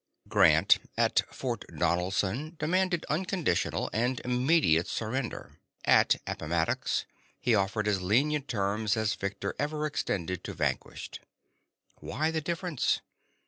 Grant at Ft. Donelson demanded unconditional and immediate surrender. At Appomattox he offered as lenient terms as victor ever extended to vanquished. Why the difference?